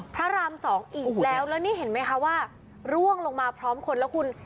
พระรามสองอีกแล้วแล้วนี่เห็นไหมคะว่าร่วงลงมาพร้อมคนแล้วคุณ